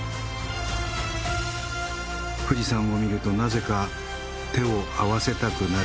富士山を見るとなぜか手を合わせたくなる。